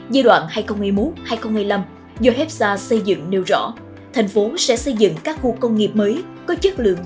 giai đoạn hai nghìn một mươi một hai nghìn hai mươi năm do hepsa xây dựng nêu rõ thành phố sẽ xây dựng các khu công nghiệp mới có chất lượng